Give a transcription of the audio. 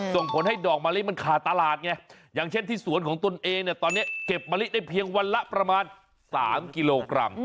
ส่งผลให้ดอกมะลิมันขาดตลาดไงอย่างเช่นที่สวนของตนเองเนี่ยตอนนี้เก็บมะลิได้เพียงวันละประมาณ๓กิโลกรัม